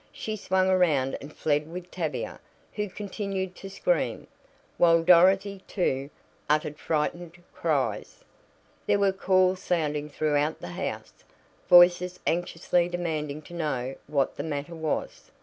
She swung around and fled with Tavia, who continued to scream, while Dorothy, too, uttered frightened cries. There were calls sounding throughout the house voices anxiously demanding to know what the matter was.